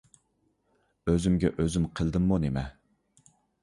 ئۆزۈمگە ئۆزۈم قىلدىممۇ نېمە؟